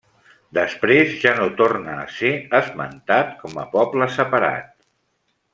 Després ja no torna a ser esmentat com a poble separat.